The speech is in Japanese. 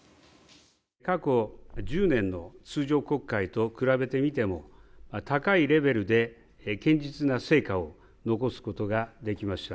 過去１０年の通常国会と比べてみても高いレベルで堅実な成果を残すことができました。